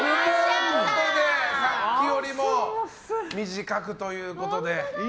さっきよりも短くということで。